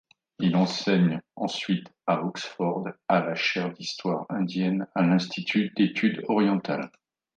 Il enseigne ensuite à Oxford à la chaire d’histoire indienne à l’institut d’études orientales.